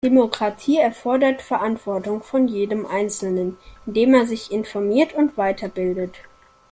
Demokratie erfordert Verantwortung von jedem einzelnen, indem er sich informiert und weiterbildet.